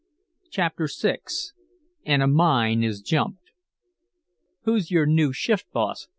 CHAPTER VI AND A MINE IS JUMPED "Who's your new shift boss?"